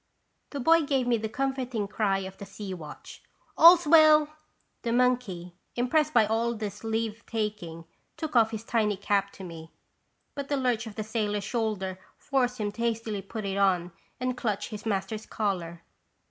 The boy gave me the comforting cry of the sea watch : "All 's well !" The monkey, impressed by all this leave taking, took off his tiny cap to me, but the lurch of the sailor's shoulder forced him to hastily put it on and clutch his master's collar.